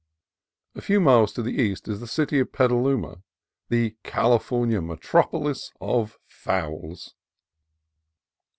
A few miles to the east is the city of Peta luma, the California metropolis of fowls.